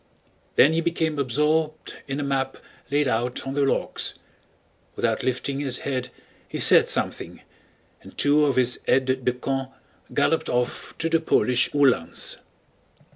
Then he became absorbed in a map laid out on the logs. Without lifting his head he said something, and two of his aides de camp galloped off to the Polish Uhlans.